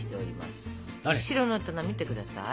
後ろの棚見て下さい。